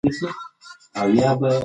غازیان د خپل دین د ساتنې لپاره جنګ کوي.